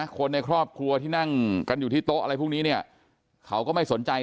คนในครอบครัวที่นั่งกันอยู่ที่โต๊ะอะไรพวกนี้เนี่ยเขาก็ไม่สนใจ